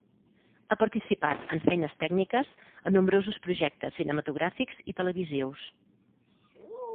Ha participat, en feines tècniques, a nombrosos projectes cinematogràfics i televisius.